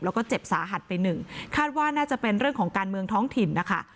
แล้วก็เจ็บสาหัสไปหนึ่งคาดว่าน่าจะเป็นเรื่องของการเมืองท้องถิ่นนะคะ